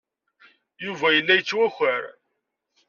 Yuba yella yettwakar.